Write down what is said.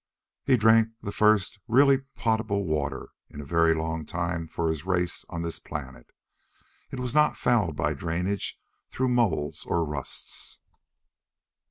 He drank the first really potable water in a very long time for his race on this planet. It was not fouled by drainage through moulds or rusts.